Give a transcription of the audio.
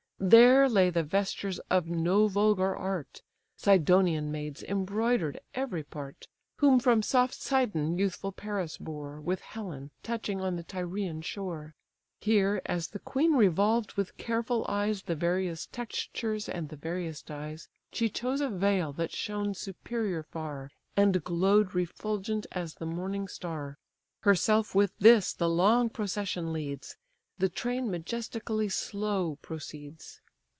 There lay the vestures of no vulgar art, Sidonian maids embroider'd every part, Whom from soft Sidon youthful Paris bore, With Helen touching on the Tyrian shore. Here, as the queen revolved with careful eyes The various textures and the various dyes, She chose a veil that shone superior far, And glow'd refulgent as the morning star. Herself with this the long procession leads; The train majestically slow proceeds.